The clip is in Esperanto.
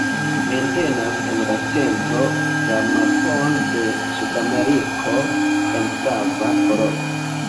Entenas en la centro, la mapon de Sudameriko en flava koloro.